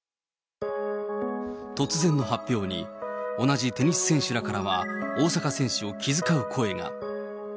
突然の発表に、同じテニス選手らからは大坂選手を気遣う声が。